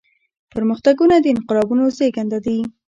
پرمختګونه د انقلابونو زيږنده دي.